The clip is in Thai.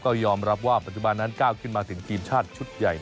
ก็ยอมรับว่าปัจจุบันนั้นก้าวขึ้นมาถึงทีมชาติชุดใหญ่